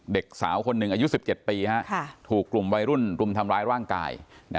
เด็กสาวคนหนึ่งอายุ๑๗ปีถูกกลุ่มวัยรุ่นรุมทำร้ายร่างกาย